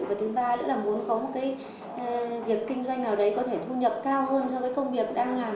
và thứ ba nữa là muốn có một việc kinh doanh nào đấy có thể thu nhập cao hơn so với công việc